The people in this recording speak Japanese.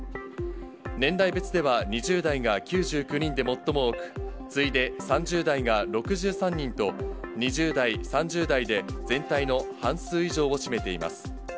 年代別では、２０代が９９人で最も多く、次いで３０代が６３人と、２０代、３０代で全体の半数以上を占めています。